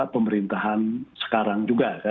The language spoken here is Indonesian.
pemerintahan sekarang juga